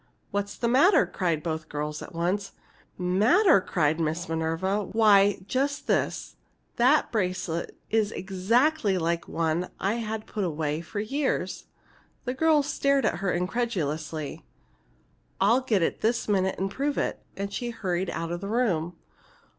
"What's the matter?" cried both girls at once. "Matter?" cried Miss Minerva. "Why, just this: that bracelet is exactly like one I've had put away for years!" The girls stared at her incredulously. "I'll get it this minute and prove it!" And she hurried out of the room.